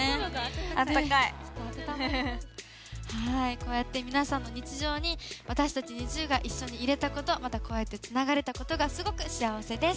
こうやって皆さんの日常に私たちＮｉｚｉＵが一緒にいれたことまたこうやってつながれたことがすごく幸せです。